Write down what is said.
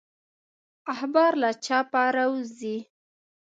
اخبار له چاپه راووزي.